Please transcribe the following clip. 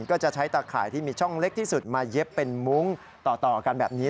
ก็จะใช้ตาข่ายที่มีช่องเล็กที่สุดมาเย็บเป็นมุ้งต่อกันแบบนี้